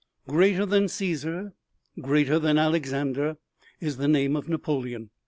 Greater than Cæsar, greater than Alexander is the name of Napoleon.